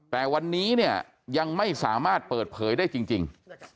แต่วันนี้เนี่ยยังไม่สามารถเปิดเผยได้จริง